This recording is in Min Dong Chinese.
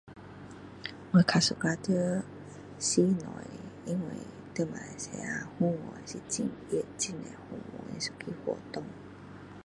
我比较 suka 在室内的因为在马来西亚很热很多蚊子的活动